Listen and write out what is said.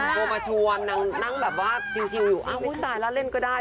โทรมาชวนนางนั่งแบบว่าชิวอยู่อ้าวอุ๊ยตายแล้วเล่นก็ได้